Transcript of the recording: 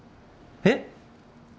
えっ？